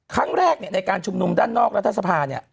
ครั้งแรกในการชุมนุมด้านนอกรัฐสภาเนี่ย